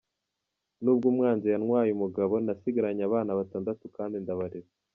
N’ ubwo umwanzi yantwaye umugabo, nasigarabnye abana batandatu kandi ndabarera.